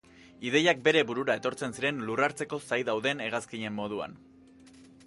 Ideiak bere burura etortzen ziren, lurrartzeko zain dauden hegazkinen moduan.